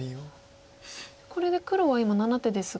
これで黒は今７手ですが。